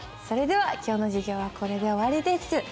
それでは今日の授業はこれで終わりです。